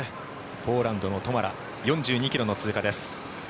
ポーランドのトマラ４２ｋｍの通過です。